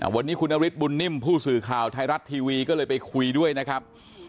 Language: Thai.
วันนี้คุณนฤทธบุญนิ่มผู้สื่อข่าวไทยรัฐทีวีก็เลยไปคุยด้วยนะครับ